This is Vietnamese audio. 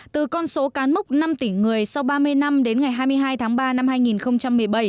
từ con số cán mốc năm tỷ người sau ba mươi năm đến ngày hai mươi hai tháng ba năm hai nghìn một mươi bảy